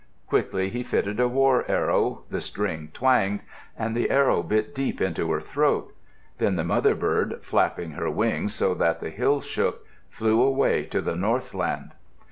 Quickly he fitted a war arrow, the string twanged, and the arrow bit deep into her throat. Then the mother bird, flapping her wings so that the hills shook, flew away to the northland.